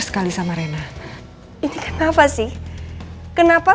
sekali sama rena ini kenapa sih kenapa